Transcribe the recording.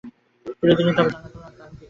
চিরদিনই কি তবে জানলা খোলা থাকবে তার দিকে?